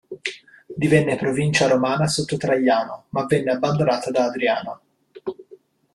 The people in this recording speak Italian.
Divenne provincia romana sotto Traiano, ma venne abbandonata da Adriano.